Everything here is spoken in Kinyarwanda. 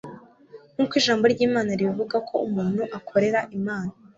Nkuko ijambo ry'Imana ribivugako umuntu ukorera Imana